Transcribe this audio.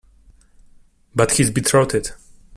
But he's betrothed.